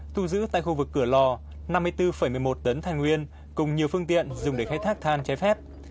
thu giữ tại khu vực cửa lò năm mươi bốn một mươi một tấn thành nguyên cùng nhiều phương tiện dùng để khai thác than trái phép